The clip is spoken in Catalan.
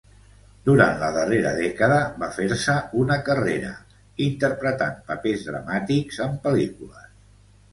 Durant la darrera dècada va fer-se una carrera interpretant papers dramàtics en pel·lícules.